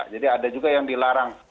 jadi ada juga yang dilarang